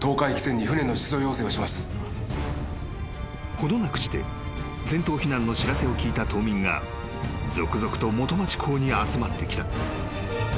［程なくして全島避難の知らせを聞いた島民が続々と元町港に集まってきた］